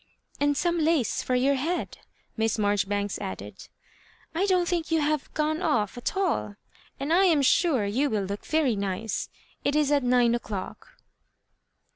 "And some lace for your head," Miss Marjoribanks added. " I don't think you have gone off at all, and I am sure you will look very nice. It is at nine o'clock."